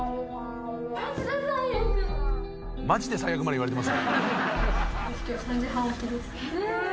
「マジで最悪」まで言われてます。